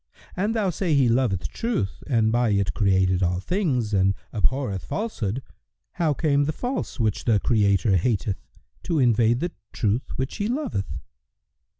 An thou say He loveth Truth and by it created all things and abhorreth Falsehood, how came the False, which the Creator hateth, to invade the True which He loveth?"